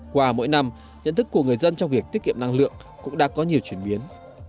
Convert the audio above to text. qua mỗi năm nhận thức của người dân trong việc tiết kiệm năng lượng cũng đã có nhiều chuyển biến